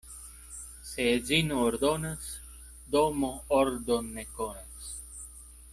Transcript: Se edzino ordonas, domo ordon ne konas.